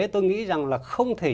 tôi nghĩ rằng là không thể